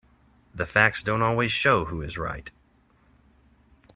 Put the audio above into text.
The facts don't always show who is right.